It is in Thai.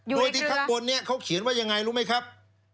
โดยที่ข้างบนนี้เขาเขียนว่ายังไงรู้ไหมครับ